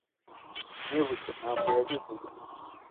Nkwibutse, ntabwo yabivuze.